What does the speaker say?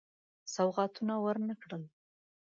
سوغاتونه ورنه کړل.